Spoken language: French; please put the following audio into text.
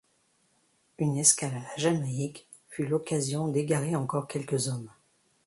Une escale à la Jamaïque fut l'occasion d'égarer encore quelques hommes.